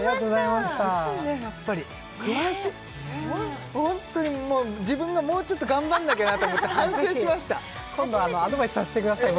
すごいねやっぱり詳しいホントに自分がもうちょっと頑張んなきゃなと思って反省しました今度アドバイスさせてください